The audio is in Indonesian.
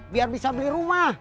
biar bisa beli rumah